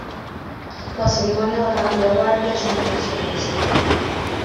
La cerimònia del canvi de guàrdia és una atracció turística.